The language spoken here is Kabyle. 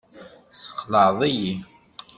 Tessexlaɛeḍ-iyi.